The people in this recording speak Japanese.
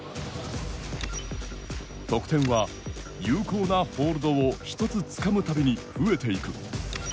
得点は有効なホールドを１つつかむたびに増えていく。